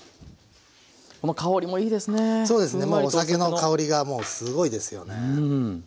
もうお酒の香りがもうすごいですよね。